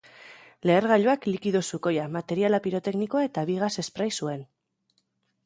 Lehergailuak likido sukoia, materiala piroteknikoa eta bi gas esprai zuen.